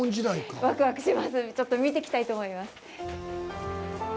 ちょっと見てきたいと思います。